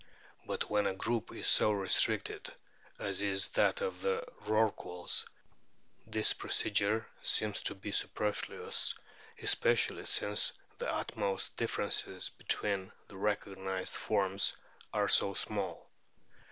But when a group is so restricted as is that of the Rorquals, this procedure seems to be superfluous, especially since the utmost differences between the recognised forms are so small.